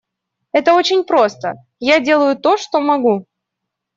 Это очень просто: я делаю то, что могу.